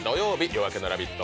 「夜明けのラヴィット！」